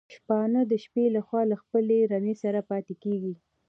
شپانه د شپې لخوا له خپلي رمې سره پاتي کيږي